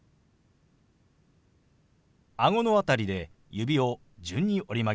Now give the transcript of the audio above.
顎の辺りで指を順に折り曲げます。